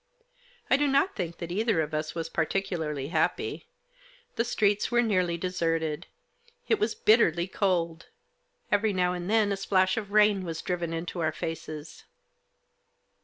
I do not think that either of us was particularly happy The streets were nearly deserted. It was bitterly cold. Every now and then a splash of rain was driven into our faces.